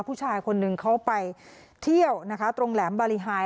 ผู้ชายคนหนึ่งเขาไปเที่ยวนะคะตรงแหลมบารีไฮ